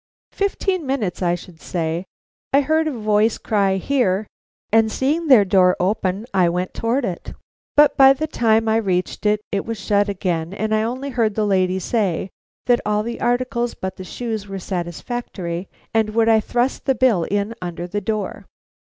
"Fifteen minutes, I should say. I heard a voice cry 'Here!' and seeing their door open, I went toward it. But by the time I reached it, it was shut again, and I only heard the lady say that all the articles but the shoes were satisfactory, and would I thrust the bill in under the door.